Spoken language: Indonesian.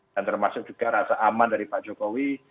dan termasuk juga rasa aman dari pak jokowi